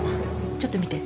ちょっと見て。